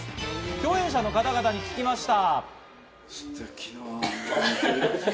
共演者の方々に聞きました。